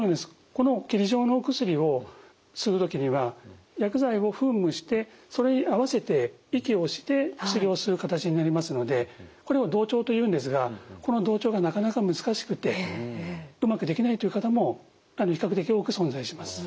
この霧状のお薬を吸う時には薬剤を噴霧してそれに合わせて息をして薬を吸う形になりますのでこれを同調というんですがこの同調がなかなか難しくてうまくできないという方も比較的多く存在します。